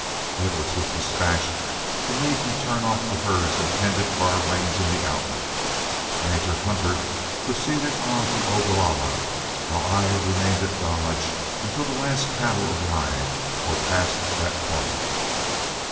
Edwards was dispatched to meet and turn off the herds intended for our range in the Outlet, Major Hunter proceeded on to Ogalalla, while I remained at Dodge until the last cattle arrived or passed that point.